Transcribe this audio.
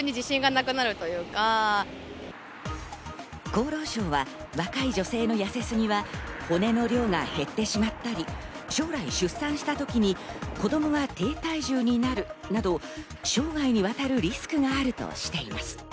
厚労省は若い女性の痩せすぎは、骨の量が減ってしまったり、将来、出産した時に子供が低体重になるなど、生涯にわたるリスクがあるとしています。